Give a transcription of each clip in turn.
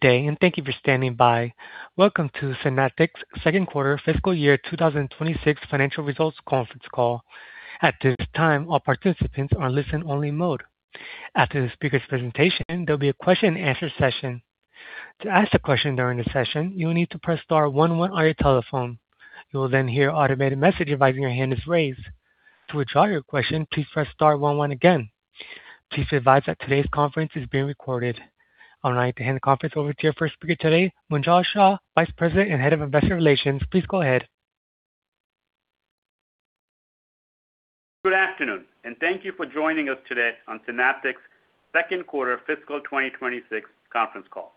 Good day, and thank you for standing by. Welcome to Synaptics' Q2 fiscal year 2026 financial results conference call. At this time, all participants are in listen-only mode. After the speaker's presentation, there'll be a Q&A session. To ask a question during the session, you will need to press star one one on your telephone. You will then hear an automated message advising your hand is raised. To withdraw your question, please press star one one again. Please be advised that today's conference is being recorded. I would like to hand the conference over to your first speaker today, Munjal Shah, Vice President and Head of Investor Relations. Please go ahead. Good afternoon, and thank you for joining us today on Synaptics' Q2 fiscal 2026 conference call.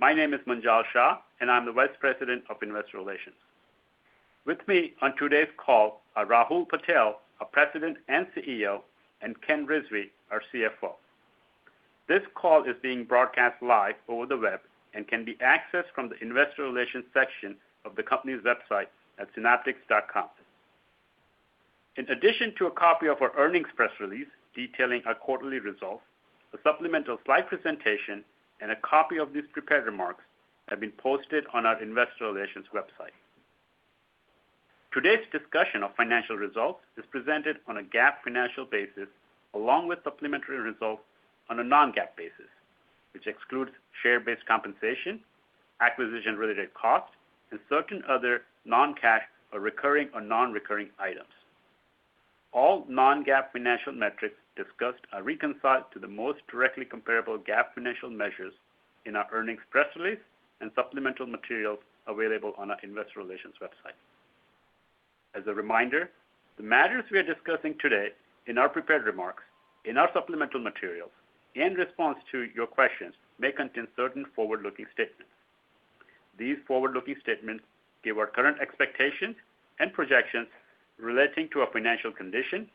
My name is Munjal Shah, and I'm the Vice President of Investor Relations. With me on today's call Rahul Patel, our President and CEO, Ken Rizvi, our CFO. This call is being broadcast live over the web and can be accessed from the investor relations section of the company's website at synaptics.com. In addition to a copy of our earnings press release detailing our quarterly results, a supplemental slide presentation and a copy of these prepared remarks have been posted on our investor relations website. Today's discussion of financial results is presented on a GAAP financial basis, along with supplementary results on a non-GAAP basis, which excludes share-based compensation, acquisition-related costs, and certain other non-cash or recurring or non-recurring items. All non-GAAP financial metrics discussed are reconciled to the most directly comparable GAAP financial measures in our earnings press release and supplemental materials available on our investor relations website. As a reminder, the matters we are discussing today in our prepared remarks, in our supplemental materials, in response to your questions, may contain certain forward-looking statements. These forward-looking statements give our current expectations and projections relating to our financial condition,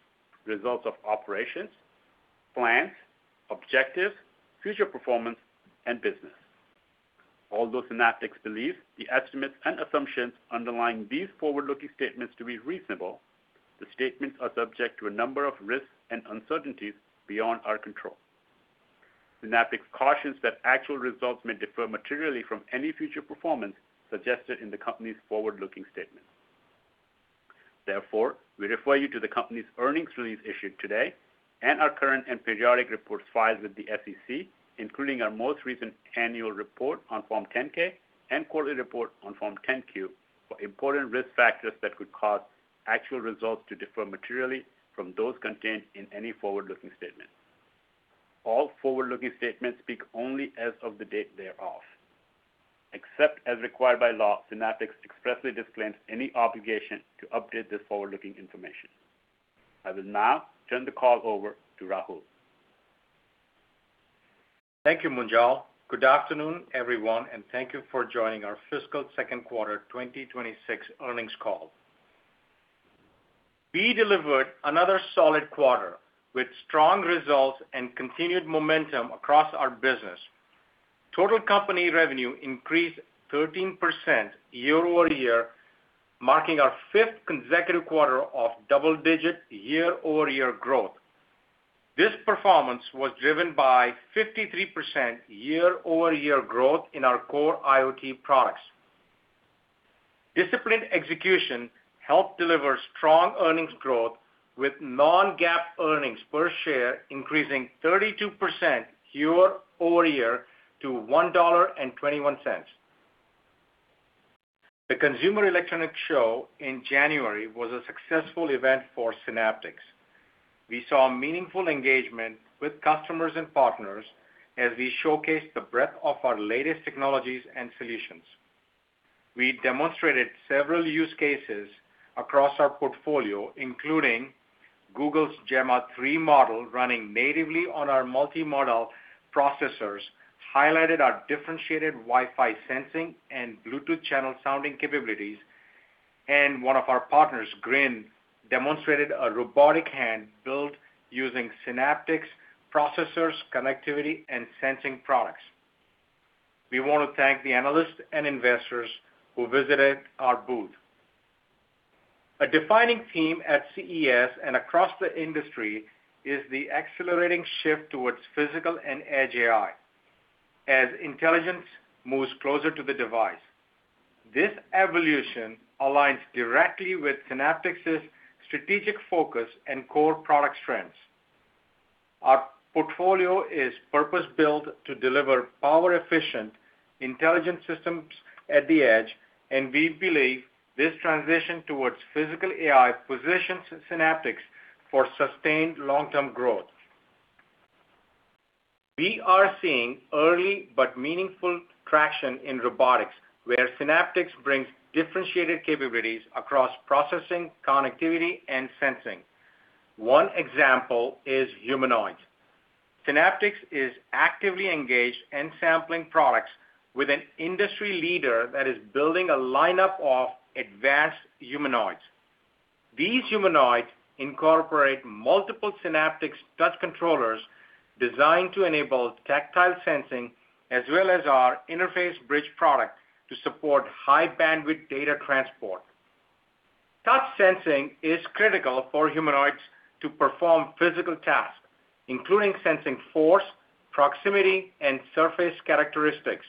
results of operations, plans, objectives, future performance, and business. Although Synaptics believes the estimates and assumptions underlying these forward-looking statements to be reasonable, the statements are subject to a number of risks and uncertainties beyond our control. Synaptics cautions that actual results may differ materially from any future performance suggested in the company's forward-looking statements. Therefore, we refer you to the company's earnings release issued today and our current and periodic reports filed with the SEC, including our most recent annual report on Form 10-K and quarterly report on Form 10-Q, for important risk factors that could cause actual results to differ materially from those contained in any forward-looking statement. All forward-looking statements speak only as of the date thereof. Except as required by law, Synaptics expressly disclaims any obligation to update this forward-looking information. I will now turn the call over to Rahul Patel. Thank you, Munjal Shah. Good afternoon, everyone, and thank you for joining our fiscal Q2 2026 earnings call. We delivered another solid quarter with strong results and continued momentum across our business. Total company revenue increased 13% year-over-year, marking our fifth consecutive quarter of double-digit year-over-year growth. This performance was driven by 53% year-over-year growth in our core IoT products. Disciplined execution helped deliver strong earnings growth, with non-GAAP earnings per share increasing 32% year-over-year to $1.21. The Consumer Electronics Show in January was a successful event for Synaptics. We saw meaningful engagement with customers and partners as we showcased the breadth of our latest technologies and solutions. We demonstrated several use cases across our portfolio, including Google's Gemma 3 model, running natively on our multi-model processors, highlighted our differentiated Wi-Fi sensing and Bluetooth channel sounding capabilities, and one of our partners, Grinn, demonstrated a robotic hand built using Synaptics processors, connectivity, and sensing products. We want to thank the analysts and investors who visited our booth. A defining theme at CES and across the industry is the accelerating shift towards Physical and Edge AI as intelligence moves closer to the device. This evolution aligns directly with Synaptics' strategic focus and core product strengths. Our portfolio is purpose-built to deliver power-efficient intelligent systems at the Edge, and we believe this transition towards Physical AI positions Synaptics for sustained long-term growth. We are seeing early but meaningful traction in robotics, where Synaptics brings differentiated capabilities across processing, connectivity, and sensing. One example is humanoids. Synaptics is actively engaged in sampling products with an industry leader that is building a lineup of advanced humanoids. These humanoids incorporate multiple Synaptics touch controllers designed to enable tactile sensing, as well as our Interface Bridge product to support high-bandwidth data transport. Touch sensing is critical for humanoids to perform physical tasks, including sensing force, proximity, and surface characteristics.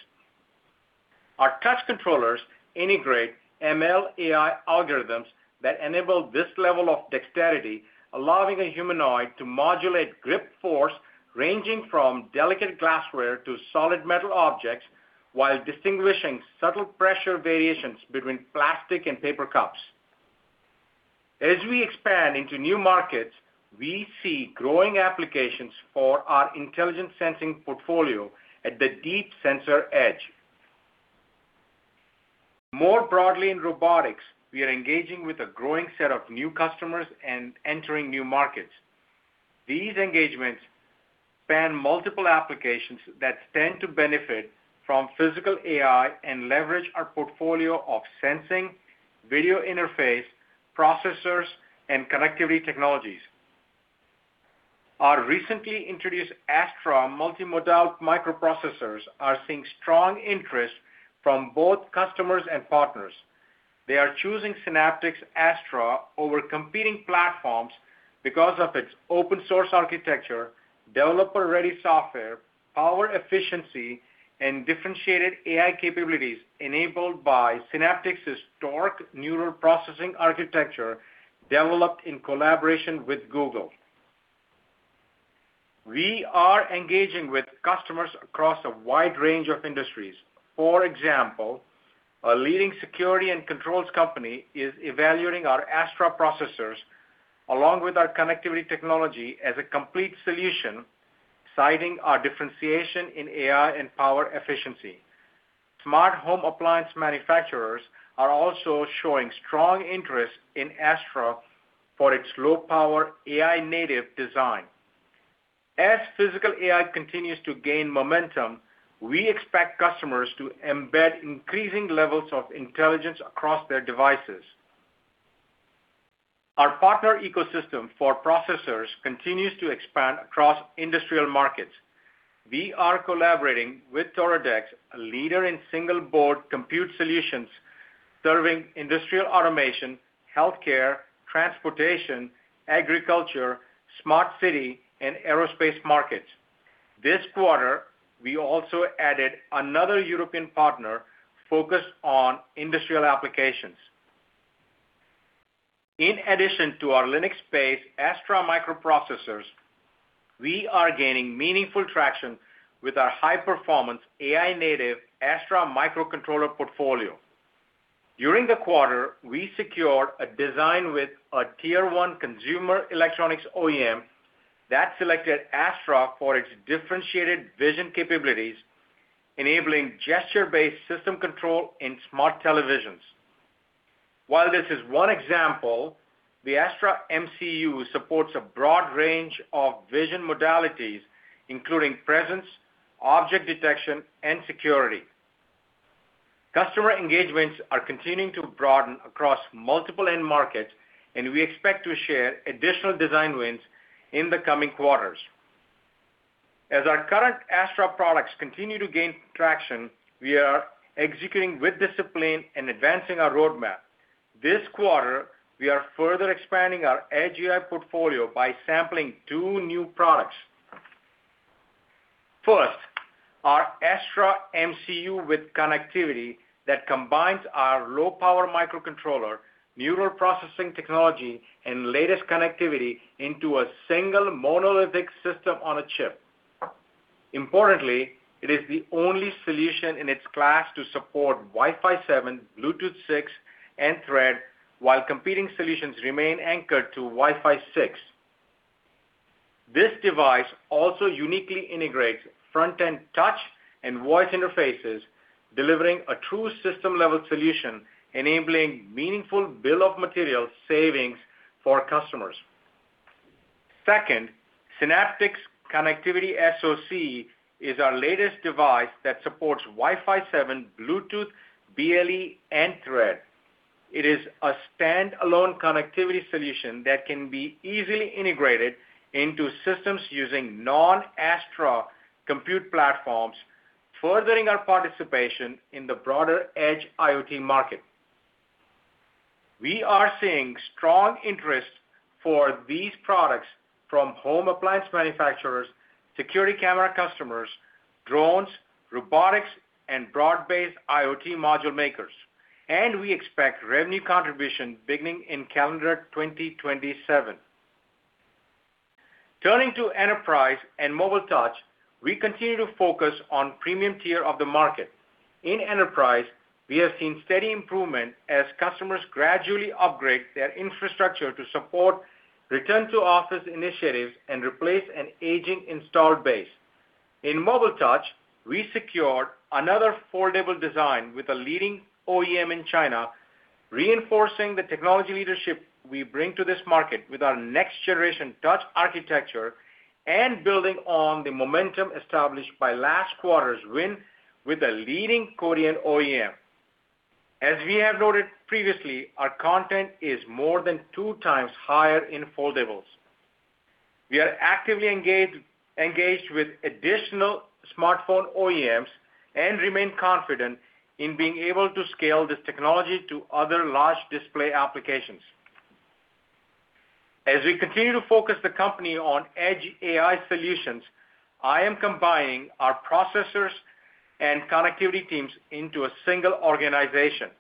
Our touch controllers integrate ML/AI algorithms that enable this level of dexterity, allowing a humanoid to modulate grip force, ranging from delicate glassware to solid metal objects, while distinguishing subtle pressure variations between plastic and paper cups. As we expand into new markets, we see growing applications for our intelligent sensing portfolio at the deep sensor Edge. More broadly in robotics, we are engaging with a growing set of new customers and entering new markets. These engagements span multiple applications that stand to benefit from Physical AI and leverage our portfolio of sensing, video interface, processors, and connectivity technologies. Our recently introduced Astra multimodal microprocessors are seeing strong interest from both customers and partners. They are choosing Synaptics Astra over competing platforms because of its open source architecture, developer-ready software, power efficiency, and differentiated AI capabilities enabled by Synaptics' historic neural processing architecture, developed in collaboration with Google. We are engaging with customers across a wide range of industries. For example, a leading security and controls company is evaluating our Astra processors, along with our connectivity technology, as a complete solution, citing our differentiation in AI and power efficiency. Smart home appliance manufacturers are also showing strong interest in Astra for its low-power AI-native design. As Physical AI continues to gain momentum, we expect customers to embed increasing levels of intelligence across their devices. Our partner ecosystem for processors continues to expand across industrial markets. We are collaborating with Toradex, a leader in single board compute solutions, serving industrial automation, healthcare, transportation, agriculture, smart city, and aerospace markets. This quarter, we also added another European partner focused on industrial applications. In addition to our Linux-based Astra microprocessors, we are gaining meaningful traction with our high-performance AI-native Astra microcontroller portfolio. During the quarter, we secured a design with a Tier 1 consumer electronics OEM that selected Astra for its differentiated vision capabilities, enabling gesture-based system control in smart televisions. While this is one example, the Astra MCU supports a broad range of vision modalities, including presence, object detection, and security. Customer engagements are continuing to broaden across multiple end markets, and we expect to share additional design wins in the coming quarters. As our current Astra products continue to gain traction, we are executing with discipline and advancing our roadmap. This quarter, we are further expanding our Edge AI portfolio by sampling two new products. First, our Astra MCU with connectivity that combines our low-power microcontroller, neural processing technology, and latest connectivity into a single monolithic system on a chip. Importantly, it is the only solution in its class to support Wi-Fi 7, Bluetooth 6, and Thread, while competing solutions remain anchored to Wi-Fi 6. This device also uniquely integrates front-end touch and voice interfaces, delivering a true system-level solution, enabling meaningful bill of material savings for customers. Second, Synaptics Connectivity SoC is our latest device that supports Wi-Fi 7, Bluetooth, BLE, and Thread. It is a standalone connectivity solution that can be easily integrated into systems using non-Astra compute platforms, furthering our participation in the broader Edge IoT market. We are seeing strong interest for these products from home appliance manufacturers, security camera customers, drones, robotics, and broad-based IoT module makers, and we expect revenue contribution beginning in calendar 2027. Turning to enterprise and mobile touch, we continue to focus on premium tier of the market. In enterprise, we have seen steady improvement as customers gradually upgrade their infrastructure to support return-to-office initiatives and replace an aging installed base. In mobile touch, we secured another foldable design with a leading OEM in China, reinforcing the technology leadership we bring to this market with our next-generation touch architecture and building on the momentum established by last quarter's win with a leading Korean OEM. As we have noted previously, our content is more than two times higher in foldables.... We are actively engaged with additional smartphone OEMs and remain confident in being able to scale this technology to other large display applications. As we continue to focus the company on Edge AI solutions, I am combining our processors and connectivity teams into a single organization.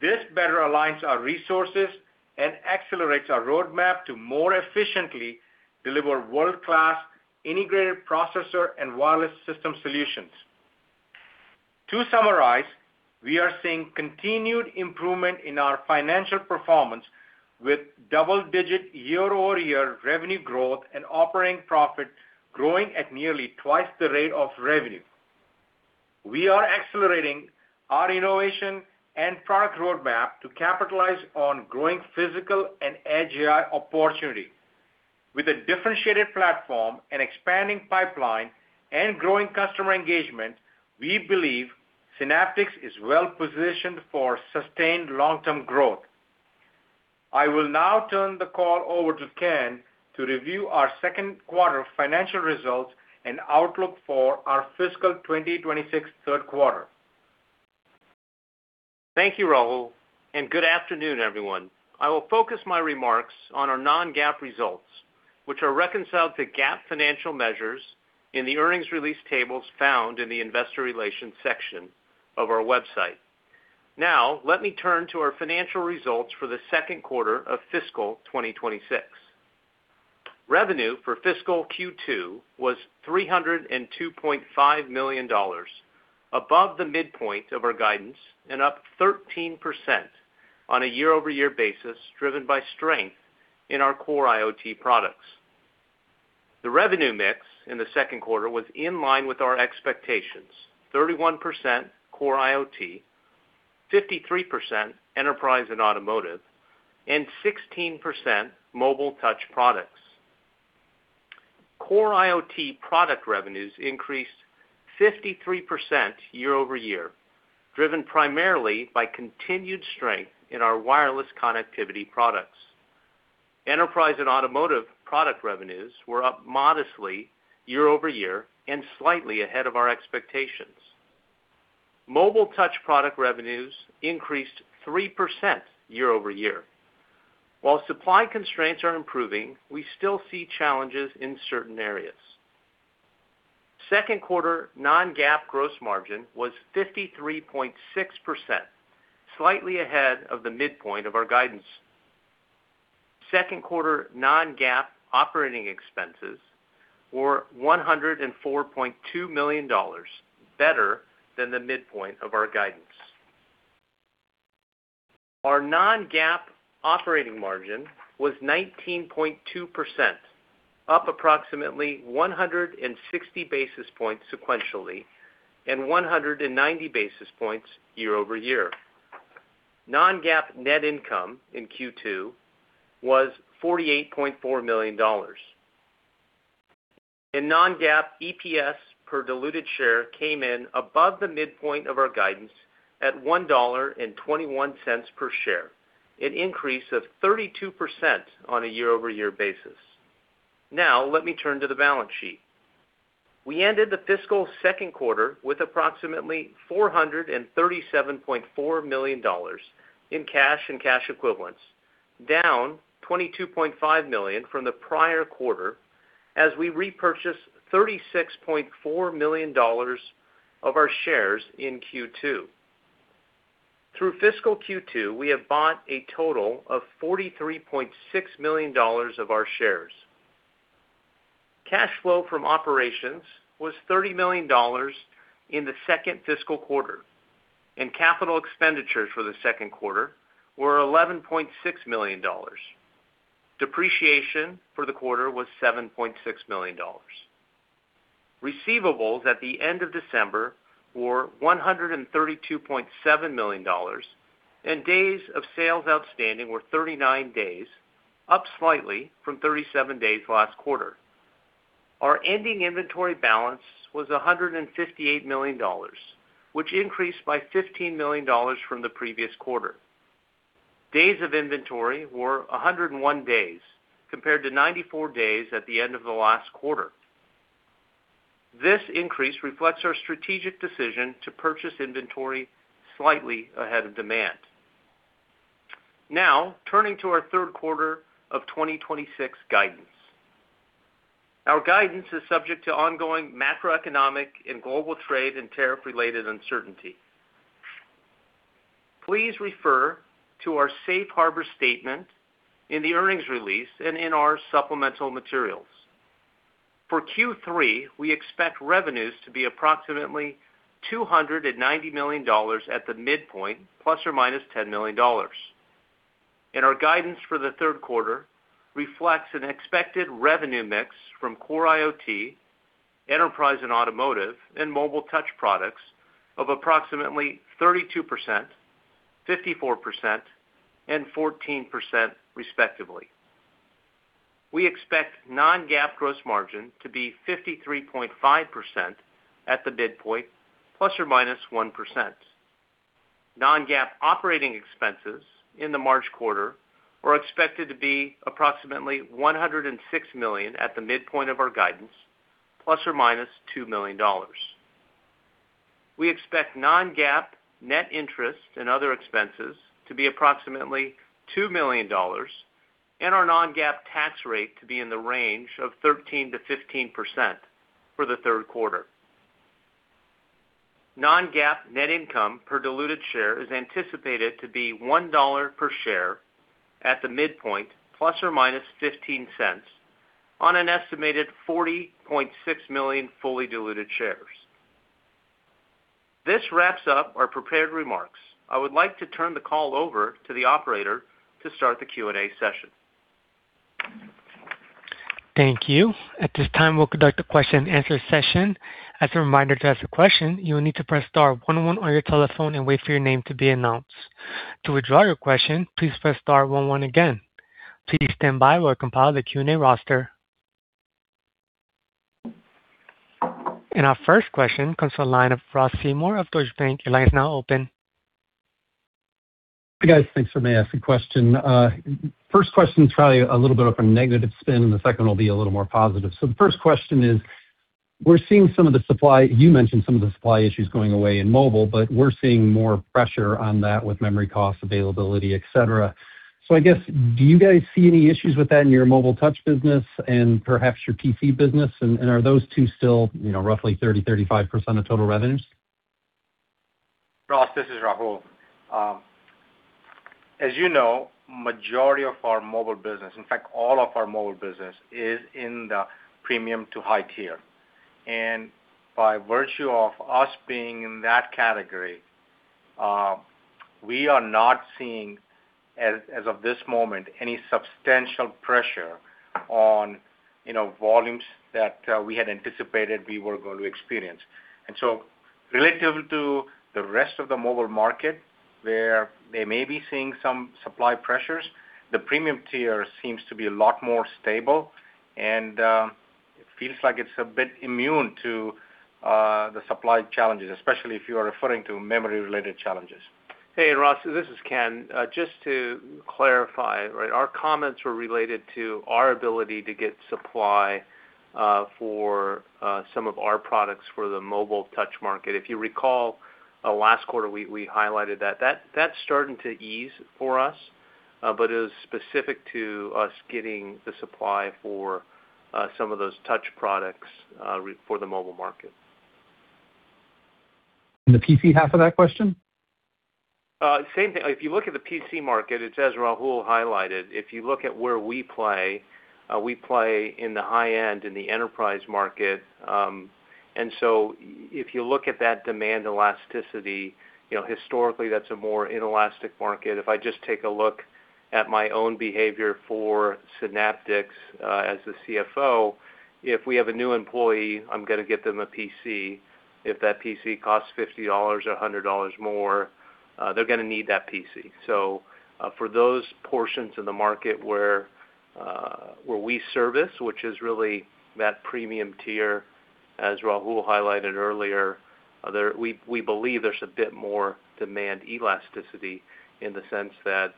This better aligns our resources and accelerates our roadmap to more efficiently deliver world-class integrated processor and wireless system solutions. To summarize, we are seeing continued improvement in our financial performance, with double-digit year-over-year revenue growth and operating profit growing at nearly twice the rate of revenue. We are accelerating our innovation and product roadmap to capitalize on growing Physical and Edge AI opportunity. With a differentiated platform, an expanding pipeline, and growing customer engagement, we believe Synaptics is well positioned for sustained long-term growth. I will now turn the call over to Ken Rizvi to review our Q2 financial results and outlook for our fiscal 2026 Q3. Thank you, Rahul Patel, and good afternoon, everyone. I will focus my remarks on our non-GAAP results, which are reconciled to GAAP financial measures in the earnings release tables found in the investor relations section of our website. Now, let me turn to our financial results for the Q2 of fiscal 2026. Revenue for fiscal Q2 was $302.5 million, above the midpoint of our guidance and up 13% on a year-over-year basis, driven by strength in our core IoT products. The revenue mix in the Q2 was in line with our expectations: 31% core IoT, 53% enterprise and automotive, and 16% mobile touch products. Core IoT product revenues increased 53% year-over-year, driven primarily by continued strength in our wireless connectivity products. Enterprise and automotive product revenues were up modestly year-over-year and slightly ahead of our expectations. Mobile touch product revenues increased 3% year-over-year. While supply constraints are improving, we still see challenges in certain areas. Q2 non-GAAP gross margin was 53.6%, slightly ahead of the midpoint of our guidance. Q2 non-GAAP operating expenses were $104.2 million, better than the midpoint of our guidance. Our non-GAAP operating margin was 19.2%, up approximately 160 basis points sequentially and 190 basis points year-over-year. Non-GAAP net income in Q2 was $48.4 million. Non-GAAP EPS per diluted share came in above the midpoint of our guidance at $1.21 per share, an increase of 32% on a year-over-year basis. Now, let me turn to the balance sheet. We ended the fiscal Q2 with approximately $437.4 million in cash and cash equivalents, down $22.5 million from the prior-quarter, as we repurchased $36.4 million of our shares in Q2. Through fiscal Q2, we have bought a total of $43.6 million of our shares. Cash flow from operations was $30 million in the second fiscal quarter, and capital expenditures for the Q2 were $11.6 million. Depreciation for the quarter was $7.6 million. Receivables at the end of December were $132.7 million, and days of sales outstanding were 39 days, up slightly from 37 days last quarter. Our ending inventory balance was $158 million, which increased by $15 million from the previous quarter. Days of inventory were 101 days, compared to 94 days at the end of the last quarter. This increase reflects our strategic decision to purchase inventory slightly ahead of demand. Now, turning to our Q3 of 2026 guidance. Our guidance is subject to ongoing macroeconomic and global trade and tariff-related uncertainty. Please refer to our safe harbor statement in the earnings release and in our supplemental materials. For Q3, we expect revenues to be approximately $290 million at the midpoint, ±$10 million. Our guidance for the Q3 reflects an expected revenue mix from core IoT, enterprise and automotive, and mobile touch products of approximately 32%, 54%, and 14%, respectively. We expect non-GAAP gross margin to be 53.5% at the midpoint, ±1%. Non-GAAP operating expenses in the March quarter are expected to be approximately $106 million at the midpoint of our guidance, ±$2 million. We expect non-GAAP net interest and other expenses to be approximately $2 million and our non-GAAP tax rate to be in the range of 13%-15% for the Q3. Non-GAAP net income per diluted share is anticipated to be $1 per share at the midpoint, ±$0.15, on an estimated 40.6 million fully diluted shares. This wraps up our prepared remarks. I would like to turn the call over to the operator to start the Q&A session. Thank you. At this time, we'll conduct a Q&A session. As a reminder, to ask a question, you will need to press star one one on your telephone and wait for your name to be announced. To withdraw your question, please press star one one again. Please stand by while we compile the Q&A roster. Our first question comes from the line of Ross Seymore of Deutsche Bank. Your line is now open. Hey, guys, thanks for letting me ask the question. First question is probably a little bit of a negative spin, and the second will be a little more positive. So the first question is: We're seeing some of the supply, you mentioned some of the supply issues going away in mobile, but we're seeing more pressure on that with memory costs, availability, et cetera. So I guess, do you guys see any issues with that in your mobile touch business and perhaps your PC business? And are those two still, you know, roughly 30%-35% of total revenues? Ross Seymore, this is Rahul Patel. As you know, majority of our mobile business, in fact, all of our mobile business, is in the premium to high tier. By virtue of us being in that category, we are not seeing, as of this moment, any substantial pressure on, you know, volumes that we had anticipated we were going to experience. So relative to the rest of the mobile market, where they may be seeing some supply pressures, the premium tier seems to be a lot more stable and it feels like it's a bit immune to the supply challenges, especially if you are referring to memory-related challenges. Hey, Ross Seymore, this is Ken Rizvi. Just to clarify, right, our comments were related to our ability to get supply for some of our products for the mobile touch market. If you recall, last quarter, we highlighted that. That's starting to ease for us, but it is specific to us getting the supply for some of those touch products for the mobile market. The PC half of that question? Same thing. If you look at the PC market, it's as Rahul Patel highlighted, if you look at where we play, we play in the high end, in the enterprise market. And so if you look at that demand elasticity, you know, historically, that's a more inelastic market. If I just take a look at my own behavior for Synaptics, as the CFO, if we have a new employee, I'm gonna get them a PC. If that PC costs $50 or $100 more, they're gonna need that PC. So, for those portions of the market where we service, which is really that premium tier, as Rahul Patel highlighted earlier, there we believe there's a bit more demand elasticity in the sense that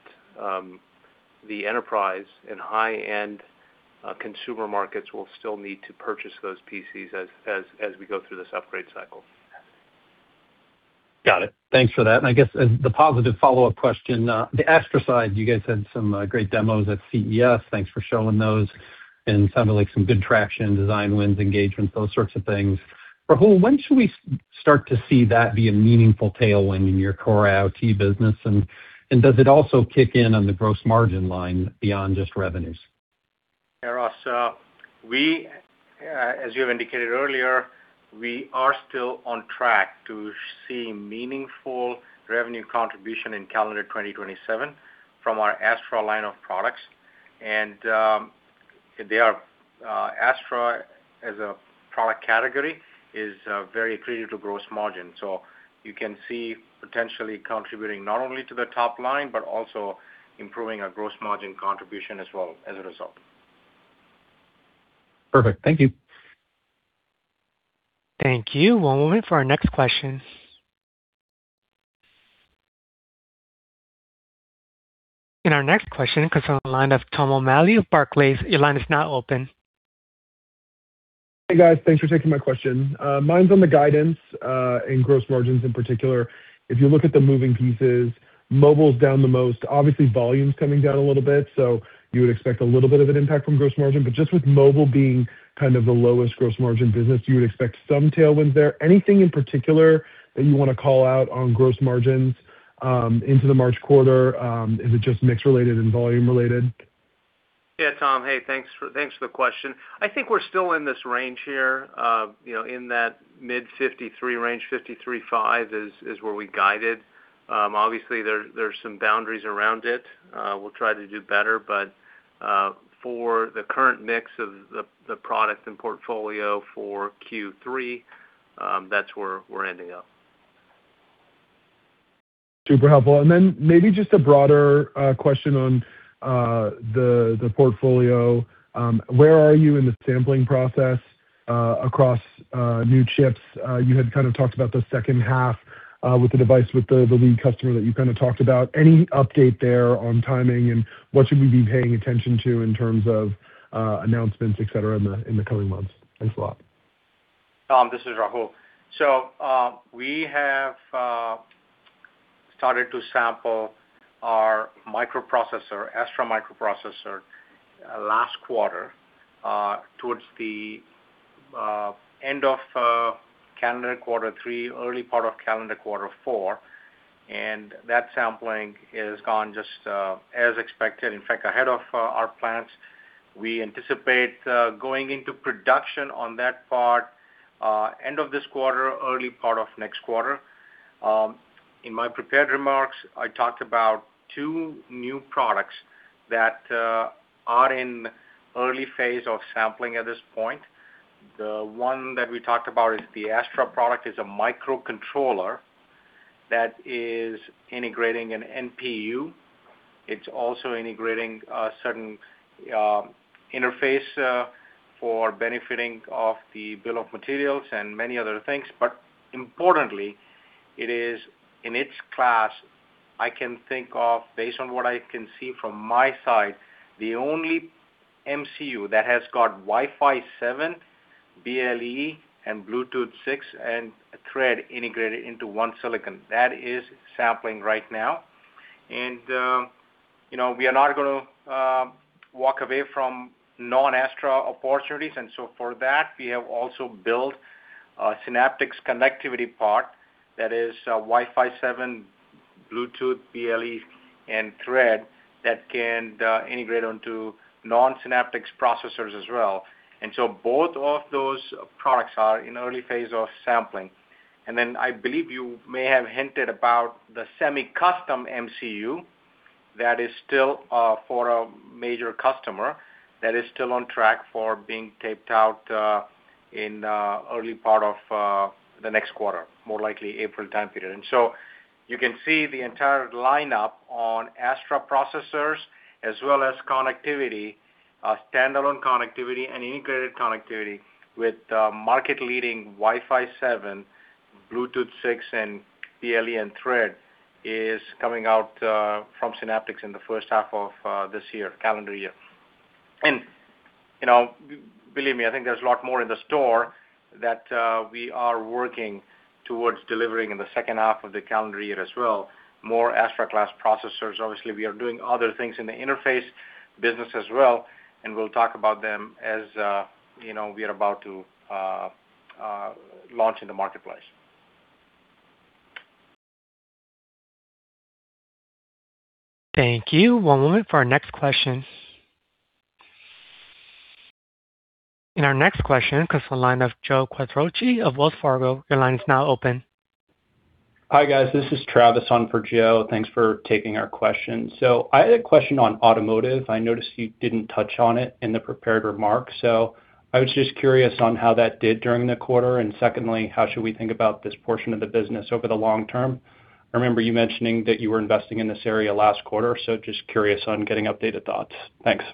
the enterprise and high-end consumer markets will still need to purchase those PCs as we go through this upgrade cycle. Got it. Thanks for that. I guess as the positive follow-up question, the Astra side, you guys had some great demos at CES. Thanks for showing those, and it sounded like some good traction, design wins, engagements, those sorts of things. Rahul Patel, when should we start to see that be a meaningful tailwind in your core IoT business, and does it also kick in on the gross margin line beyond just revenues? Yeah, Ross Seymore, we, as you have indicated earlier, we are still on track to see meaningful revenue contribution in calendar 2027 from our Astra line of products. And, they are, Astra, as a product category, is, very accretive to gross margin. So you can see potentially contributing not only to the top line, but also improving our gross margin contribution as well, as a result. Perfect. Thank you. Thank you. One moment for our next question. Our next question comes from the line of Tom O'Malley of Barclays. Your line is now open. Hey, guys. Thanks for taking my question. Mine's on the guidance and gross margins in particular. If you look at the moving pieces, mobile's down the most. Obviously, volume's coming down a little bit, so you would expect a little bit of an impact from gross margin. But just with mobile being kind of the lowest gross margin business, you would expect some tailwinds there. Anything in particular that you want to call out on gross margins into the March quarter, is it just mix related and volume related? Yeah, Tom O'Malley. Hey, thanks for the question. I think we're still in this range here, you know, in that mid-53% range, 53.5% is where we guided. Obviously, there's some boundaries around it. We'll try to do better, but for the current mix of the products and portfolio for Q3, that's where we're ending up. ... Super helpful. And then maybe just a broader question on the portfolio. Where are you in the sampling process across new chips? You had kind of talked about the H2 with the device, with the lead customer that you kind of talked about. Any update there on timing, and what should we be paying attention to in terms of announcements, et cetera, in the coming months? Thanks a lot. Tom O'Malley, this is Rahul Patel. So, we have started to sample our microprocessor, Astra microprocessor, last quarter, towards the end of calendar Q3, early part of calendar Q4, and that sampling has gone just as expected, in fact, ahead of our plans. We anticipate going into production on that part, end of this quarter, early part of next quarter. In my prepared remarks, I talked about two new products that are in early phase of sampling at this point. The one that we talked about is the Astra product, is a microcontroller that is integrating an NPU. It's also integrating a certain interface for benefiting of the bill of materials and many other things, but importantly, it is, in its class, I can think of, based on what I can see from my side, the only MCU that has got Wi-Fi 7, BLE, and Bluetooth 6, and Thread integrated into one silicon. That is sampling right now. You know, we are not gonna walk away from non-Astra opportunities, and so for that, we have also built a Synaptics connectivity part that is a Wi-Fi 7, Bluetooth, BLE, and Thread that can integrate onto non-Synaptics processors as well. And so both of those products are in early phase of sampling. And then I believe you may have hinted about the semi-custom MCU that is still, for a major customer, that is still on track for being taped out, in, early part of, the next quarter, more likely April time period. And so you can see the entire lineup on Astra processors as well as connectivity, standalone connectivity and integrated connectivity with, market-leading Wi-Fi 7, Bluetooth 6, and BLE, and Thread is coming out, from Synaptics in the H1 of, this year, calendar year. And, you know, believe me, I think there's a lot more in the store that, we are working towards delivering in the H2 of the calendar year as well. More Astra-class processors. Obviously, we are doing other things in the interface business as well, and we'll talk about them as, you know, we are about to launch in the marketplace. Thank you. One moment for our next question. Our next question comes from the line of Joe Quatrochi of Wells Fargo. Your line is now open. Hi, guys. This is Travis O'Neil on for Joe Quatrochi. Thanks for taking our question. So I had a question on automotive. I noticed you didn't touch on it in the prepared remarks, so I was just curious on how that did during the quarter? And secondly, how should we think about this portion of the business over the long term? I remember you mentioning that you were investing in this area last quarter, so just curious on getting updated thoughts. Thanks.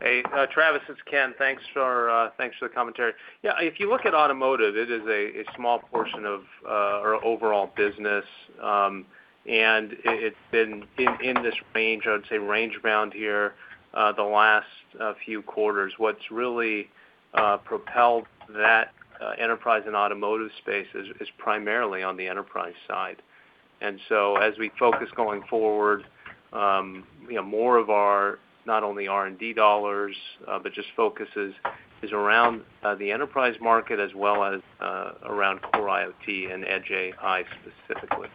Hey, Travis O'Neil, it's Ken Rizvi. Thanks for the commentary. Yeah, if you look at automotive, it is a small portion of our overall business, and it's been in this range, I'd say, range bound here the last few quarters. What's really propelled that enterprise and automotive space is primarily on the enterprise side. And so as we focus going forward, you know, more of our not only R&D dollars but just focus is around the enterprise market as well as around core IoT and Edge AI specifically.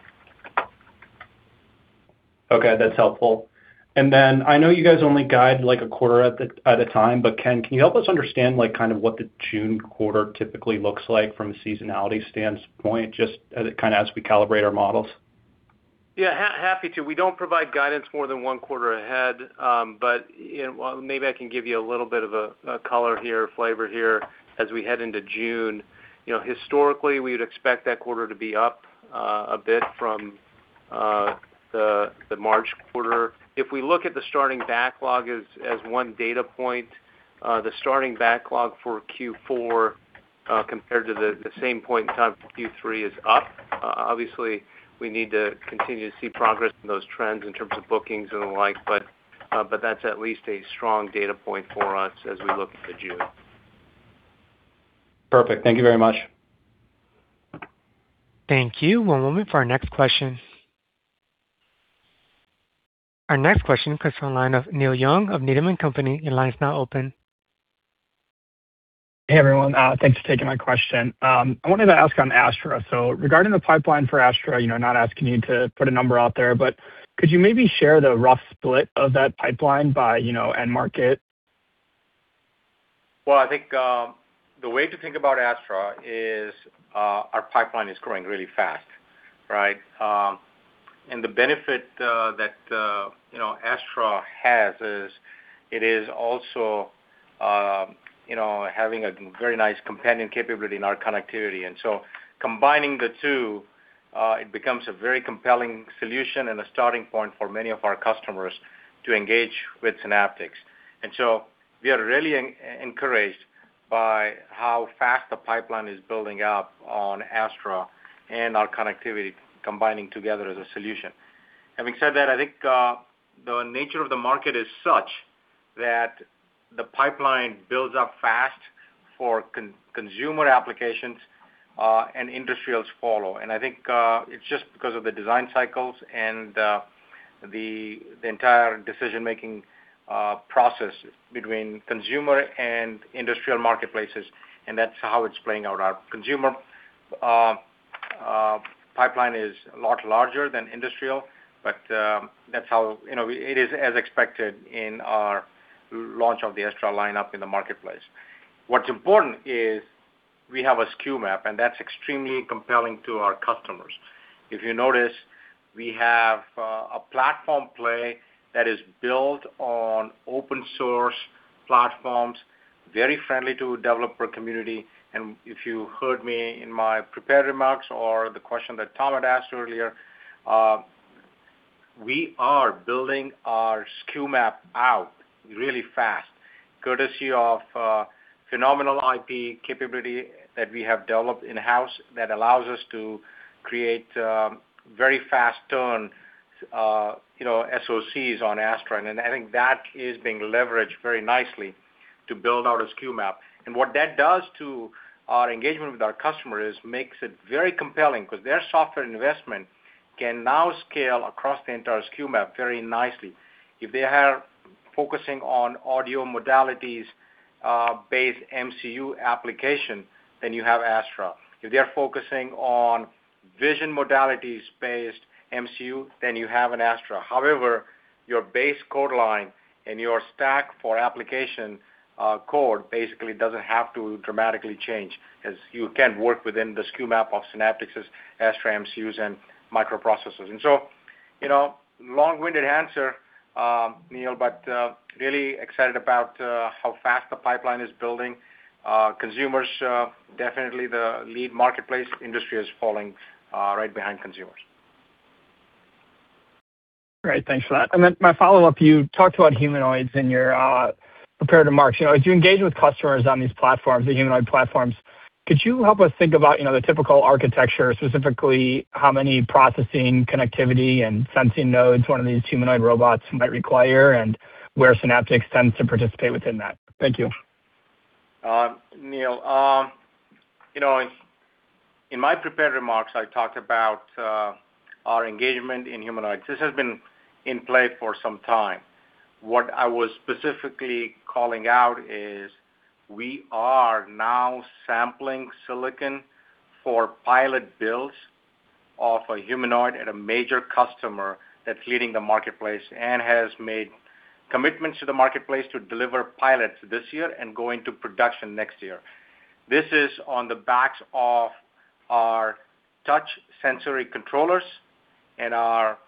Okay, that's helpful. Then I know you guys only guide, like, a quarter at a time, but Ken Rizvi, can you help us understand, like, kind of what the June quarter typically looks like from a seasonality standpoint, just as we calibrate our models? Yeah, happy to. We don't provide guidance more than one quarter ahead, but, you know, well, maybe I can give you a little bit of a color here, flavor here as we head into June. You know, historically, we'd expect that quarter to be up, a bit from the March quarter. If we look at the starting backlog as one data point, the starting backlog for Q4 compared to the same point in time for Q3 is up. Obviously, we need to continue to see progress in those trends in terms of bookings and the like, but, but that's at least a strong data point for us as we look to June. Perfect. Thank you very much. Thank you. One moment for our next question. Our next question comes from the line of Neil Young of Needham & Company. Your line is now open. Hey, everyone, thanks for taking my question. I wanted to ask on Astra. So regarding the pipeline for Astra, you know, not asking you to put a number out there, but could you maybe share the rough split of that pipeline by, you know, end market? Well, I think the way to think about Astra is our pipeline is growing really fast, right? And the benefit that Astra has is it is also you know having a very nice companion capability in our connectivity. And so combining the two it becomes a very compelling solution and a starting point for many of our customers to engage with Synaptics. And so we are really encouraged by how fast the pipeline is building up on Astra and our connectivity combining together as a solution. Having said that, I think the nature of the market is such that the pipeline builds up fast for consumer applications and industrials follow. And I think it's just because of the design cycles and the entire decision-making process between consumer and industrial marketplaces, and that's how it's playing out. Our consumer pipeline is a lot larger than industrial, but that's how you know it is as expected in our launch of the Astra lineup in the marketplace. What's important is we have a SKU map, and that's extremely compelling to our customers. If you notice, we have a platform play that is built on open source platforms, very friendly to developer community, and if you heard me in my prepared remarks or the question that Tom O'Malley had asked earlier, we are building our SKU map out really fast, courtesy of phenomenal IP capability that we have developed in-house that allows us to create very fast turn, you know, SOCs on Astra, and I think that is being leveraged very nicely to build out a SKU map. What that does to our engagement with our customer is makes it very compelling because their software investment can now scale across the entire SKU map very nicely. If they are focusing on audio modalities-based MCU application, then you have Astra. If they are focusing on vision modalities-based MCU, then you have an Astra. However, your base code line and your stack for application code basically doesn't have to dramatically change as you can work within the SKU map of Synaptics' Astra MCUs and microprocessors. And so, you know, long-winded answer, Neil Young, but really excited about how fast the pipeline is building. Consumers definitely the lead marketplace, industry is falling right behind consumers. Great. Thanks for that. And then my follow-up, you talked about humanoids in your prepared remarks. You know, as you engage with customers on these platforms, the humanoid platforms, could you help us think about, you know, the typical architecture, specifically how many processing, connectivity, and sensing nodes one of these humanoid robots might require, and where Synaptics tends to participate within that? Thank you. Neil Young, you know, in my prepared remarks, I talked about our engagement in humanoids. This has been in play for some time. What I was specifically calling out is we are now sampling silicon for pilot builds of a humanoid at a major customer that's leading the marketplace and has made commitments to the marketplace to deliver pilots this year and go into production next year. This is on the backs of our touch sensor controllers and our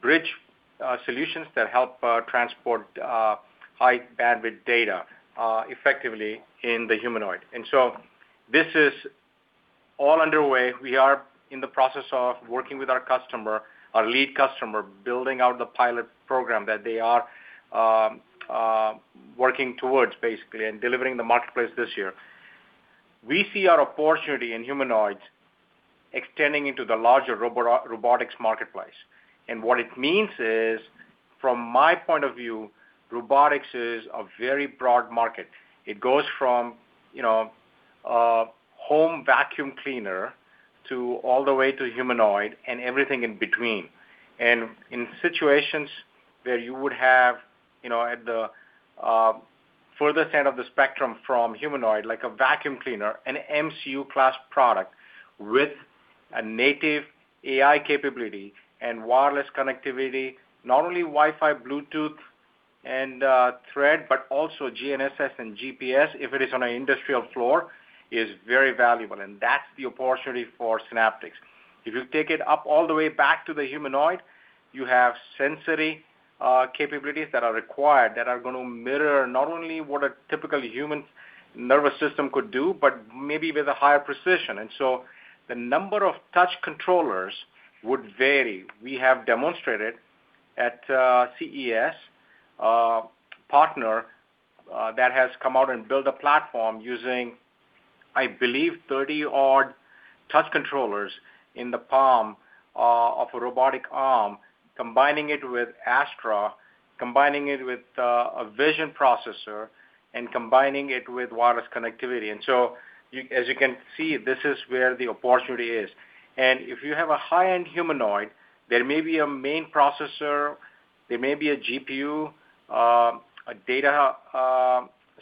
bridge solutions that help transport high bandwidth data effectively in the humanoid. And so this is all underway. We are in the process of working with our customer, our lead customer, building out the pilot program that they are working towards basically, and delivering the marketplace this year. We see our opportunity in humanoids extending into the larger robotics marketplace. What it means is, from my point of view, robotics is a very broad market. It goes from, you know, a home vacuum cleaner to all the way to humanoid and everything in between. In situations where you would have, you know, at the furthest end of the spectrum from humanoid, like a vacuum cleaner, an MCU class product with a native AI capability and wireless connectivity, not only Wi-Fi, Bluetooth, and Thread, but also GNSS and GPS, if it is on an industrial floor, is very valuable, and that's the opportunity for Synaptics. If you take it up all the way back to the humanoid, you have sensory capabilities that are required, that are gonna mirror not only what a typical human nervous system could do, but maybe with a higher precision. So the number of touch controllers would vary. We have demonstrated at CES a partner that has come out and built a platform using, I believe, 30-odd touch controllers in the palm of a robotic arm, combining it with Astra, combining it with a vision processor and combining it with wireless connectivity. And so, as you can see, this is where the opportunity is. And if you have a high-end humanoid, there may be a main processor, there may be a GPU, a data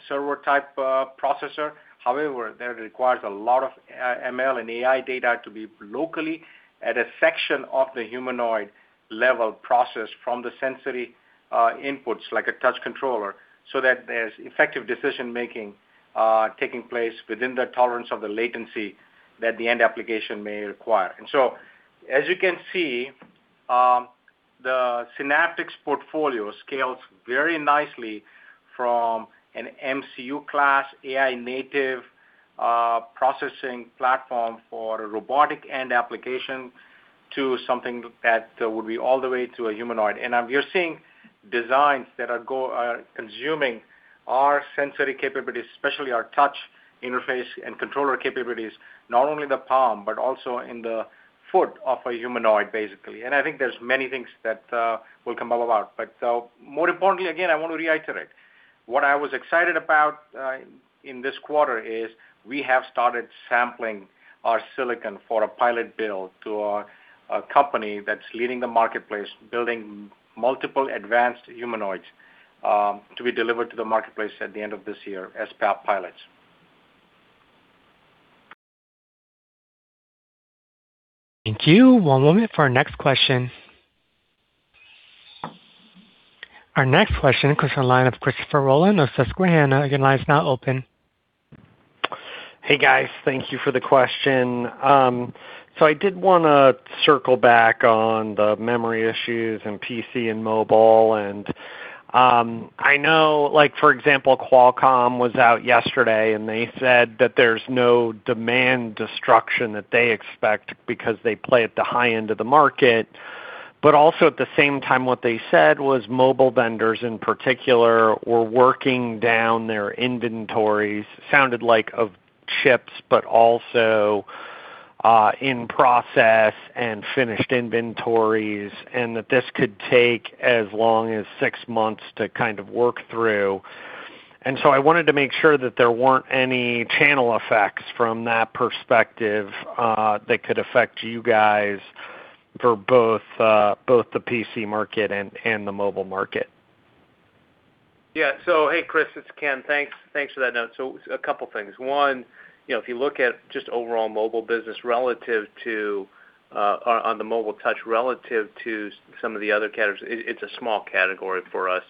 server type processor. However, that requires a lot of ML and AI data to be locally at a section of the humanoid level processed from the sensory inputs, like a touch controller, so that there's effective decision-making taking place within the tolerance of the latency that the end application may require. And so, as you can see... The Synaptics portfolio scales very nicely from an MCU class, AI-native processing platform for robotic end application to something that would be all the way to a humanoid. And we are seeing designs that are consuming our sensory capabilities, especially our touch interface and controller capabilities, not only in the palm, but also in the foot of a humanoid, basically. And I think there's many things that will come out about. But more importantly, again, I want to reiterate, what I was excited about in this quarter is we have started sampling our silicon for a pilot build to a company that's leading the marketplace, building multiple advanced humanoids to be delivered to the marketplace at the end of this year as pilots. Thank you. One moment for our next question. Our next question comes from the line of Christopher Rolland of Susquehanna. Again, line is now open. Hey, guys. Thank you for the question. So I did wanna circle back on the memory issues in PC and mobile, and I know, like, for example, Qualcomm was out yesterday, and they said that there's no demand destruction that they expect because they play at the high end of the market. But also at the same time, what they said was mobile vendors, in particular, were working down their inventories, sounded like of chips, but also in process and finished inventories, and that this could take as long as six months to kind of work through. So I wanted to make sure that there weren't any channel effects from that perspective that could affect you guys for both the PC market and the mobile market. Yeah. So, hey Christopher Rolland, it's Ken Rizvi. Thanks, thanks for that note. So a couple things. One, you know, if you look at just overall mobile business relative to on the mobile touch, relative to some of the other categories, it's a small category for us,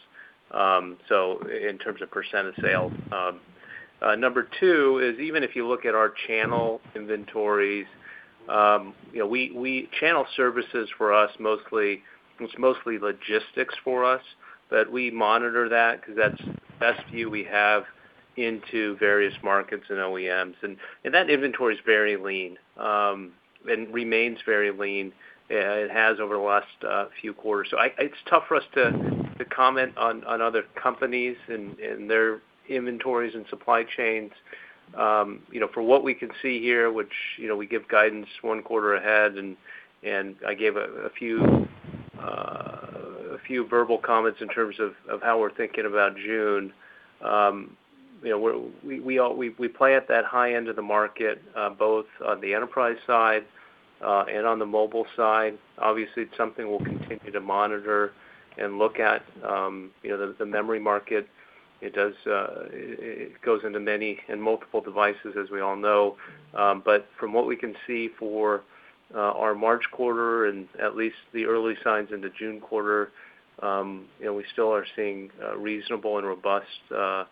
so in terms of percent of sales. Number two is even if you look at our channel inventories, you know, Channel services for us, mostly, it's mostly logistics for us, but we monitor that because that's the best view we have into various markets and OEMs, and that inventory is very lean and remains very lean. It has over the last few quarters. So it's tough for us to comment on other companies and their inventories and supply chains. You know, from what we can see here, which, you know, we give guidance one quarter ahead, and I gave a few verbal comments in terms of how we're thinking about June. You know, we play at that high end of the market, both on the enterprise side, and on the mobile side. Obviously, it's something we'll continue to monitor and look at. You know, the memory market, it does go into many and multiple devices, as we all know, but from what we can see for our March quarter and at least the early signs into June quarter, you know, we still are seeing reasonable and robust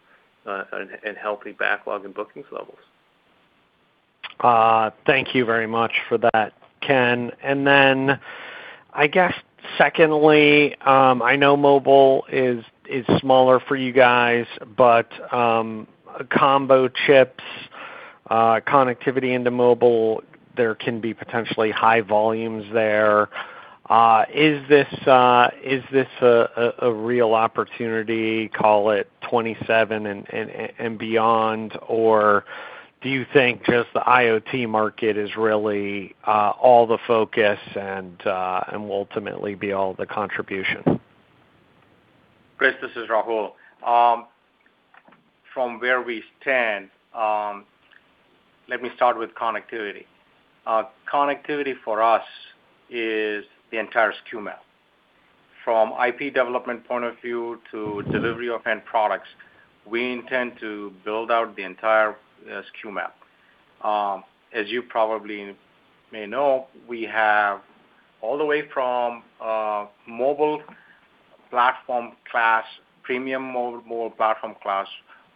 and healthy backlog and bookings levels. Thank you very much for that, Ken Rizvi. Then, I guess secondly, I know mobile is smaller for you guys, but combo chips, connectivity into mobile, there can be potentially high volumes there. Is this a real opportunity, call it 2027 and beyond? Or do you think just the IoT market is really all the focus and will ultimately be all the contribution? Christopher Rolland, this is Rahul Patel. From where we stand, let me start with connectivity. Connectivity for us is the entire SKU map. From IP development point of view to delivery of end products, we intend to build out the entire SKU map. As you probably may know, we have all the way from mobile platform class, premium mobile platform class,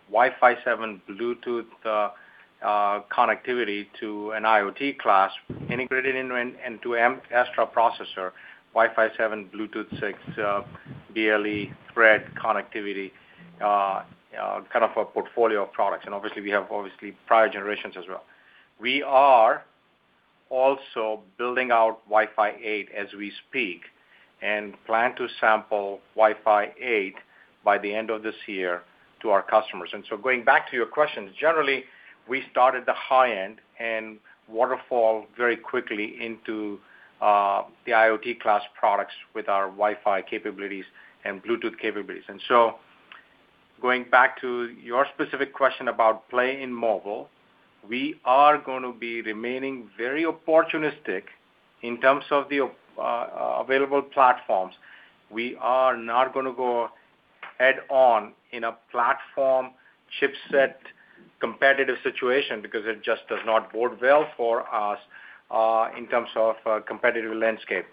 Wi-Fi 7, Bluetooth connectivity to an IoT class integrated into a Astra processor, Wi-Fi 7, Bluetooth 6, BLE, Thread connectivity kind of a portfolio of products, and obviously, we have obviously prior generations as well. We are also building out Wi-Fi 8 as we speak, and plan to sample Wi-Fi 8 by the end of this year to our customers. Going back to your question, generally, we started the high-end and waterfall very quickly into the IoT class products with our Wi-Fi capabilities and Bluetooth capabilities. Going back to your specific question about play in mobile, we are gonna be remaining very opportunistic in terms of the available platforms. We are not gonna go head-on in a platform chipset competitive situation because it just does not bode well for us in terms of competitive landscape.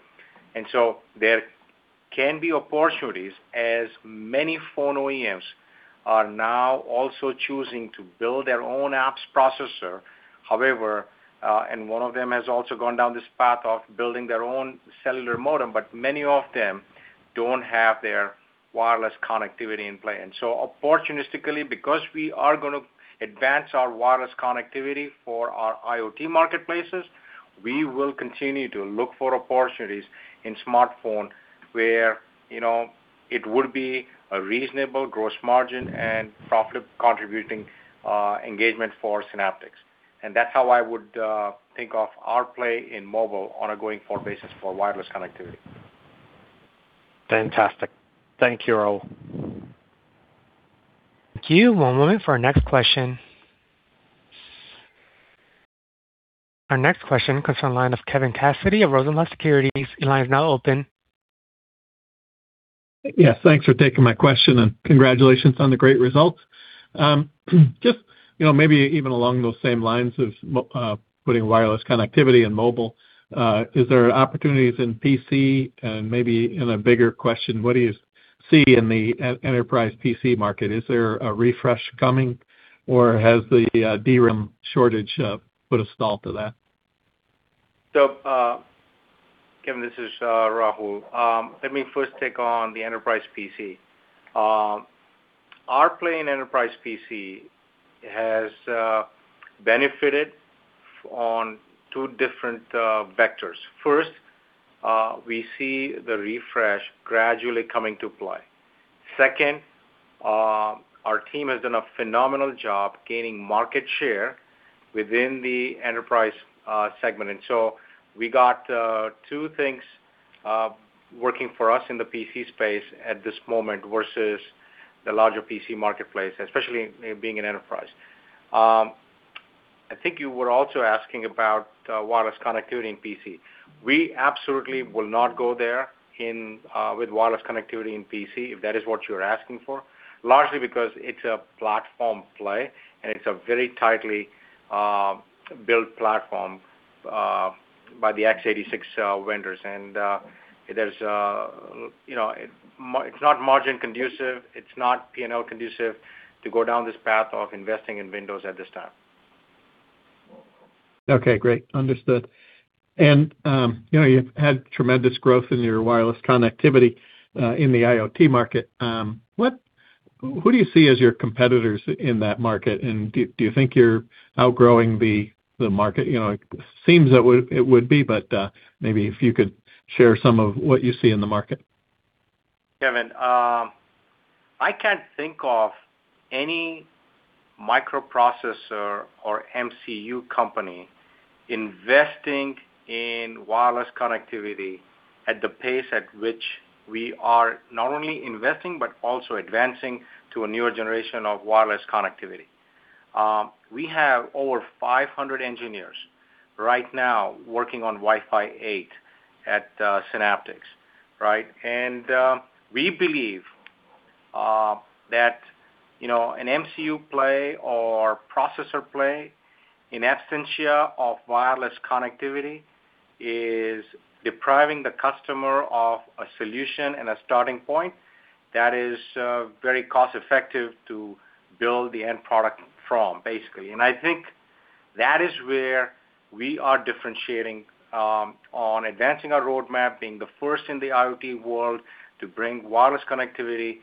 There can be opportunities as many phone OEMs are now also choosing to build their own apps processor. However, one of them has also gone down this path of building their own cellular modem, but many of them don't have their wireless connectivity in play. So opportunistically, because we are gonna advance our wireless connectivity for our IoT marketplaces, we will continue to look for opportunities in smartphone where, you know, it would be a reasonable gross margin and profit-contributing engagement for Synaptics. That's how I would think of our play in mobile on a going-forward basis for wireless connectivity. Fantastic. Thank you, Rahul Patel. Thank you. One moment for our next question. Our next question comes from the line of Kevin Cassidy of Rosenblatt Securities. Your line is now open. Yes, thanks for taking my question, and congratulations on the great results. Just, you know, maybe even along those same lines of putting wireless connectivity in mobile, is there opportunities in PC? And maybe in a bigger question, what do you see in the enterprise PC market? Is there a refresh coming, or has the DRAM shortage put a stall to that? So, Kevin Cassidy, this is Rahul Patel. Let me first take on the enterprise PC. Our play in enterprise PC has benefited on two different vectors. First, we see the refresh gradually coming to play. Second, our team has done a phenomenal job gaining market share within the enterprise segment. And so we got two things working for us in the PC space at this moment versus the larger PC marketplace, especially being an enterprise. I think you were also asking about wireless connectivity in PC. We absolutely will not go there in with wireless connectivity in PC, if that is what you're asking for. Largely because it's a platform play, and it's a very tightly built platform by the x86 vendors. There's, you know, it's not margin conducive. It's not P&L conducive to go down this path of investing in Windows at this time. Okay, great. Understood. You know, you've had tremendous growth in your wireless connectivity in the IoT market. Who do you see as your competitors in that market, and do you think you're outgrowing the market? You know, it seems that it would be, but maybe if you could share some of what you see in the market. Kevin Cassidy, I can't think of any microprocessor or MCU company investing in wireless connectivity at the pace at which we are not only investing, but also advancing to a newer generation of wireless connectivity. We have over 500 engineers right now working on Wi-Fi 8 at Synaptics, right? And we believe that, you know, an MCU play or processor play in absentia of wireless connectivity is depriving the customer of a solution and a starting point that is very cost effective to build the end product from, basically. And I think that is where we are differentiating on advancing our roadmap, being the first in the IoT world to bring wireless connectivity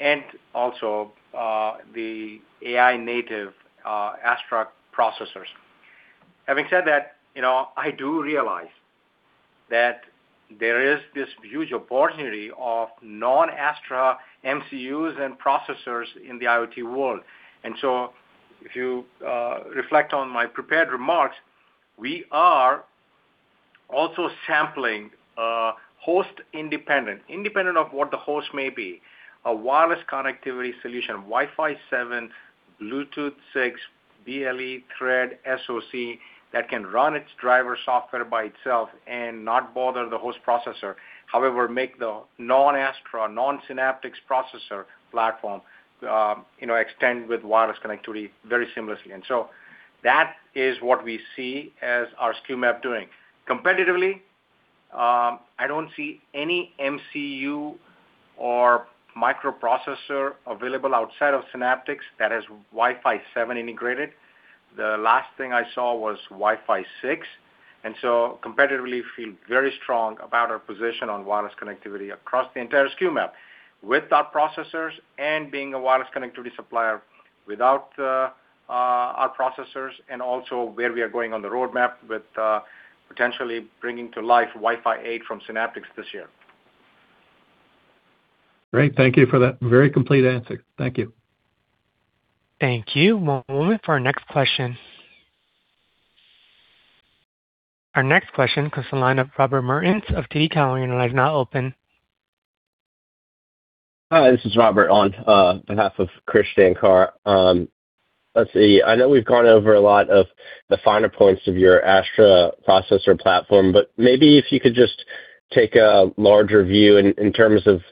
and also the AI-native Astra processors. Having said that, you know, I do realize that there is this huge opportunity of non-Astra MCUs and processors in the IoT world. And so if you reflect on my prepared remarks, we are also sampling host independent, independent of what the host may be, a wireless connectivity solution, Wi-Fi 7, Bluetooth 6, BLE, Thread, SoC, that can run its driver software by itself and not bother the host processor. However, make the non-Astra, non-Synaptics processor platform, you know, extend with wireless connectivity very seamlessly. And so that is what we see as our SKU map doing. Competitively, I don't see any MCU or microprocessor available outside of Synaptics that has Wi-Fi 7 integrated. The last thing I saw was Wi-Fi 6, and so competitively feel very strong about our position on wireless connectivity across the entire SKU map with our processors and being a wireless connectivity supplier without our processors, and also where we are going on the roadmap with potentially bringing to life Wi-Fi 8 from Synaptics this year. Great. Thank you for that very complete answer. Thank you. Thank you. One moment for our next question. Our next question comes from the line of Robert Mertens of TD Cowen, and the line is now open. Hi, this is Robert Mertens, on behalf of Krish Sankar. Let's see. I know we've gone over a lot of the finer points of your Astra processor platform, but maybe if you could just take a larger view in, in terms of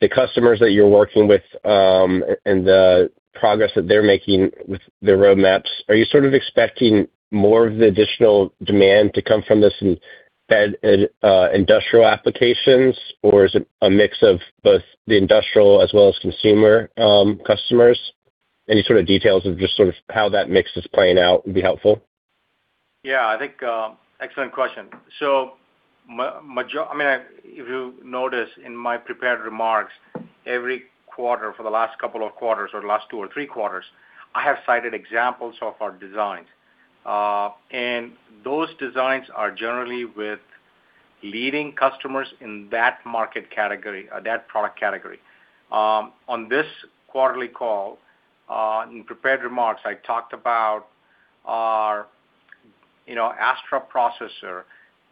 the customers that you're working with, and the progress that they're making with their roadmaps, are you sort of expecting more of the additional demand to come from this embedded industrial applications, or is it a mix of both the industrial as well as consumer, customers? Any sort of details of just sort of how that mix is playing out would be helpful. Yeah, I think, excellent question. So, I mean, if you notice in my prepared remarks, every quarter for the last couple of quarters or the last two or three quarters, I have cited examples of our designs. And those designs are generally with leading customers in that market category or that product category. On this quarterly call, in prepared remarks, I talked about our, you know, Astra processor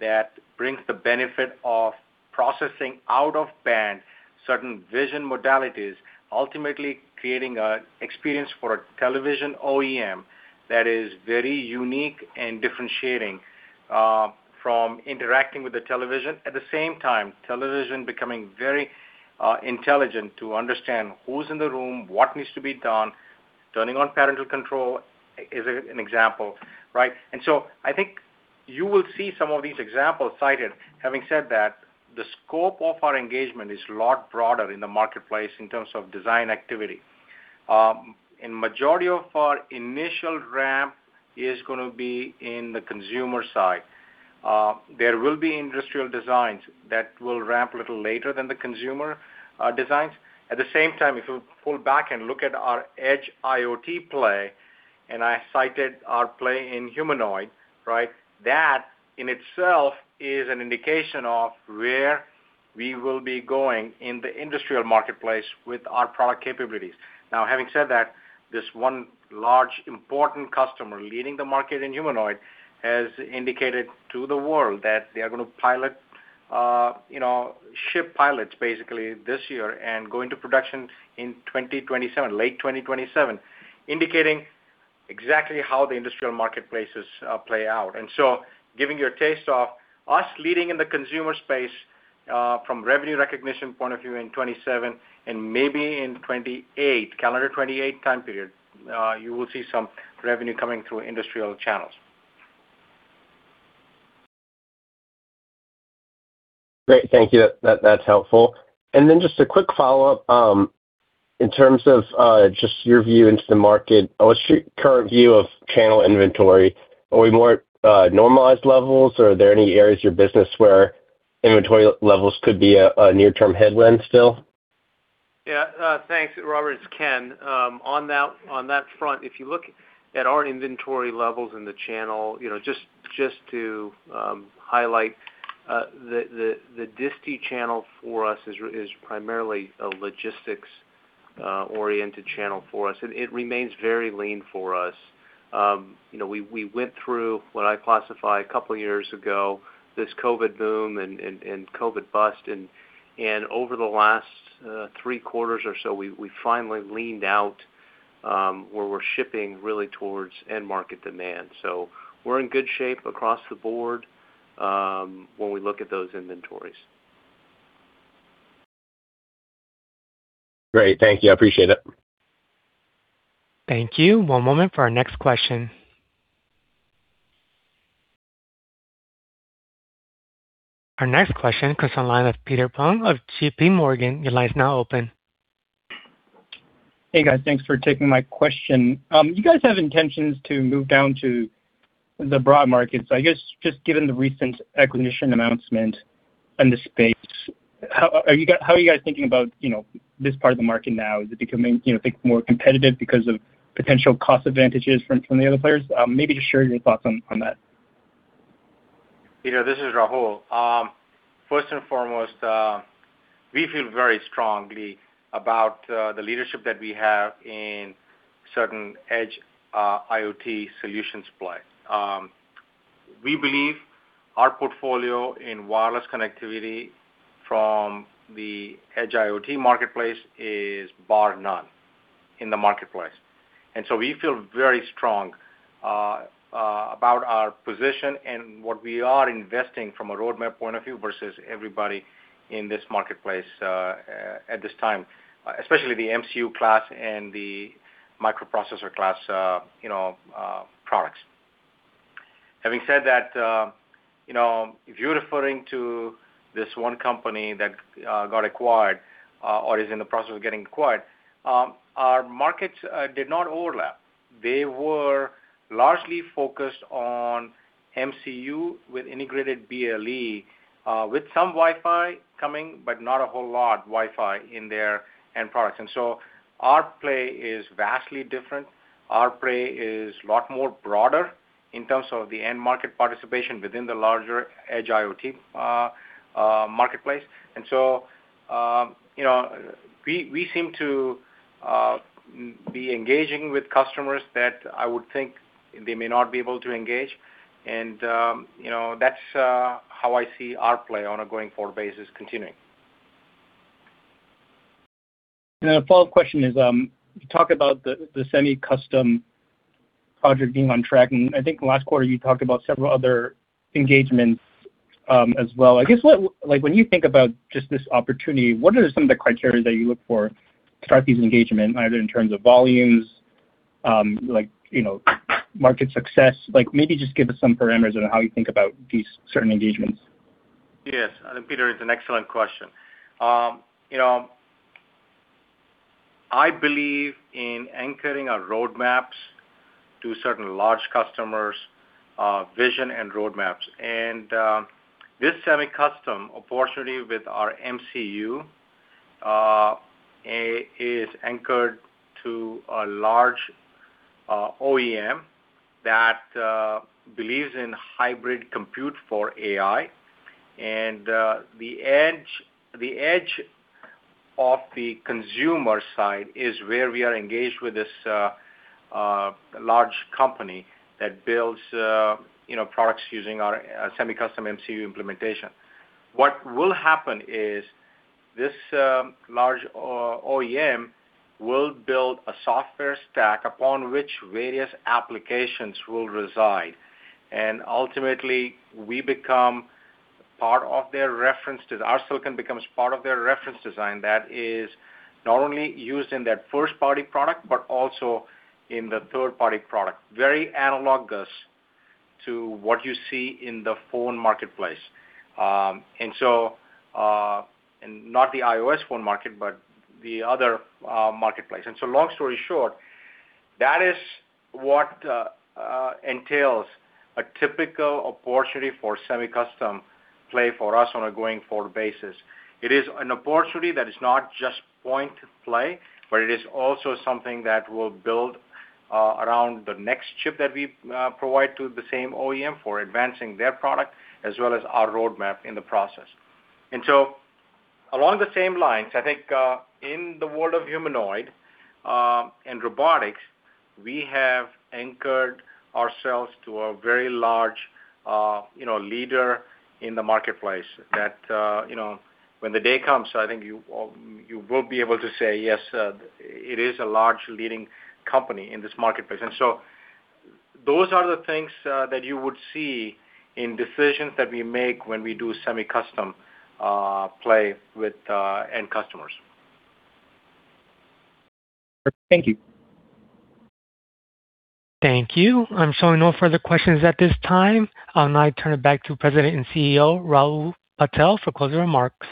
that brings the benefit of processing out-of-band, certain vision modalities, ultimately creating a experience for a television OEM that is very unique and differentiating, from interacting with the television. At the same time, television becoming very, intelligent to understand who's in the room, what needs to be done, turning on parental control, is an example, right? And so I think you will see some of these examples cited. Having said that, the scope of our engagement is a lot broader in the marketplace in terms of design activity. Majority of our initial ramp is gonna be in the consumer side. There will be industrial designs that will ramp a little later than the consumer designs. At the same time, if you pull back and look at our Edge IoT play, and I cited our play in humanoid, right? That in itself is an indication of where we will be going in the industrial marketplace with our product capabilities. Now, having said that, this one large important customer leading the market in humanoid has indicated to the world that they are gonna pilot, you know, ship pilots basically this year and go into production in 2027, late 2027, indicating exactly how the industrial marketplaces play out. And so giving you a taste of us leading in the consumer space, from revenue recognition point of view in 2027 and maybe in 2028, calendar 2028 time period, you will see some revenue coming through industrial channels. Great, thank you. That's helpful. And then just a quick follow-up. In terms of just your view into the market, what's your current view of channel inventory? Are we more at normalized levels, or are there any areas of your business where inventory levels could be a near-term headwind still? Yeah, thanks, Robert Mertens, it's Ken Rizvi. On that front, if you look at our inventory levels in the channel, you know, just to highlight, the disti channel for us is primarily a logistics oriented channel for us, and it remains very lean for us. You know, we went through what I classify a couple of years ago, this COVID boom and COVID bust, and over the last three quarters or so, we finally leaned out, where we're shipping really towards end market demand. So we're in good shape across the board, when we look at those inventories. Great. Thank you. I appreciate it. Thank you. One moment for our next question. Our next question comes on the line of Peter Peng of J.P. Morgan. Your line is now open. Hey, guys. Thanks for taking my question. You guys have intentions to move down to the broad market. So I guess, just given the recent acquisition announcement and the space, how are you guys thinking about, you know, this part of the market now? Is it becoming, you know, more competitive because of potential cost advantages from the other players? Maybe just share your thoughts on that. Peter Peng, this is Rahul Patel. First and foremost, we feel very strongly about the leadership that we have in certain Edge IoT solution supply. We believe our portfolio in wireless connectivity from the Edge IoT marketplace is bar none in the marketplace. And so we feel very strong about our position and what we are investing from a roadmap point of view versus everybody in this marketplace at this time, especially the MCU class and the microprocessor class, you know, products. Having said that, you know, if you're referring to this one company that got acquired or is in the process of getting acquired, our markets did not overlap. They were largely focused on MCU with integrated BLE with some Wi-Fi coming, but not a whole lot Wi-Fi in their end products. And so our play is vastly different. Our play is a lot more broader in terms of the end market participation within the larger Edge IoT marketplace. And so, you know, we, we seem to be engaging with customers that I would think they may not be able to engage. And, you know, that's how I see our play on a going-forward basis continuing. A follow-up question is, you talk about the semi-custom project being on track, and I think last quarter you talked about several other engagements, as well. I guess what—like, when you think about just this opportunity, what are some of the criteria that you look for to start these engagement, either in terms of volumes, like, you know, market success? Like, maybe just give us some parameters on how you think about these certain engagements. Yes, I think, Peter Peng, it's an excellent question. You know, I believe in anchoring our roadmaps to certain large customers' vision and roadmaps. This semi-custom, unfortunately, with our MCU, is anchored to a large OEM that believes in hybrid compute for AI. The Edge of the consumer side is where we are engaged with this large company that builds, you know, products using our semi-custom MCU implementation. What will happen is this large OEM will build a software stack upon which various applications will reside, and ultimately, our silicon becomes part of their reference design that is not only used in that first-party product, but also in the third-party product. Very analogous to what you see in the phone marketplace. And so, and not the iOS phone market, but the other marketplace. And so long story short, that is what entails a typical opportunity for semi-custom play for us on a going-forward basis. It is an opportunity that is not just point play, but it is also something that will build around the next chip that we provide to the same OEM for advancing their product, as well as our roadmap in the process. And so along the same lines, I think, in the world of humanoid and robotics, we have anchored ourselves to a very large, you know, leader in the marketplace that, you know, when the day comes, I think you, you will be able to say, "Yes, it is a large leading company in this marketplace." And so those are the things that you would see in decisions that we make when we do semi-custom play with end customers. Thank you. Thank you. I'm showing no further questions at this time. I'll now turn it back to President and Rahul Patel, for closing remarks.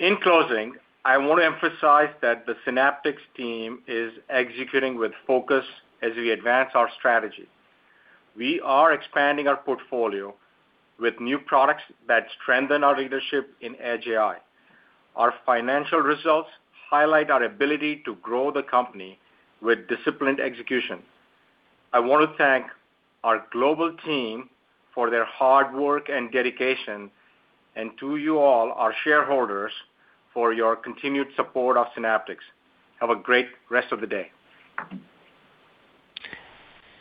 In closing, I want to emphasize that the Synaptics team is executing with focus as we advance our strategy. We are expanding our portfolio with new products that strengthen our leadership in Edge AI. Our financial results highlight our ability to grow the company with disciplined execution. I want to thank our global team for their hard work and dedication, and to you all, our shareholders, for your continued support of Synaptics. Have a great rest of the day.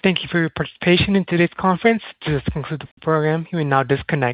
Thank you for your participation in today's conference. This concludes the program. You may now disconnect.